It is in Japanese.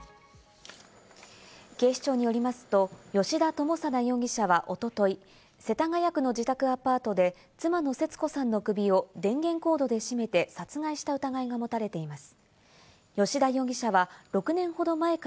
警視庁によりますと、吉田友貞容疑者はおととい、世田谷区の自宅アパートで妻の節子さんの首を電源コードで絞めて殺害した疑いが持たれています。